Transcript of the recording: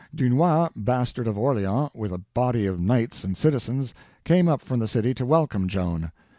Dunois, Bastard of Orleans, with a body of knights and citizens, came up from the city to welcome Joan.